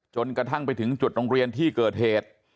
จนกระทั่งไปถึงจุดโรงเรียนที่เกิดเหตุ